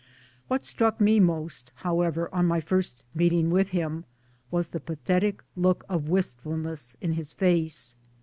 What struck me most, however, on my first meeting with him, was the pathetic look of wistfulness in his face.